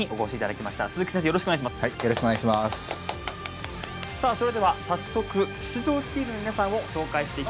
さあそれでは早速出場チームの皆さんを紹介していきましょう。